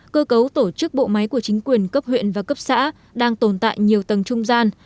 cơ cấu tổ chức bộ máy của chính quyền cấp huyện và cấp xã đang tồn tại nhiều tầng trung gian